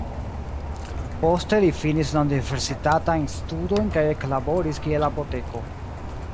Poste li finis la universitatajn studojn kaj eklaboris kiel apoteko.